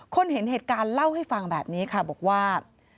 เห็นเหตุการณ์เล่าให้ฟังแบบนี้ค่ะบอกว่า